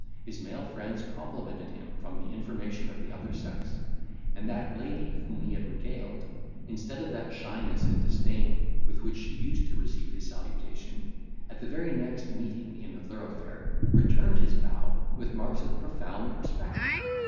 His male friends complimented him from the information of the other sex; and that lady whom he had regaled, instead of that shyness and disdain with which she used to receive his salutation, at their very next meeting in the thoroughfare, returned his bow with marks of profound respect.